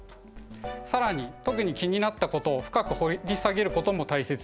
更に特に気になったことを深く掘り下げることも大切です。